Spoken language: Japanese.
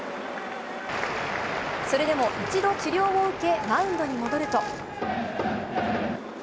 それでも一度治療を受け、マウンドに戻ると。